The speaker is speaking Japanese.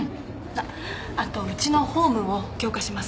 あっあとうちの法務を強化します。